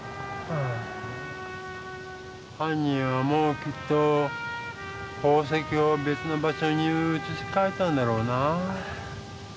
はん人はもうきっと宝石をべつの場所にうつしかえたんだろうな。